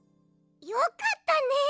よかったね。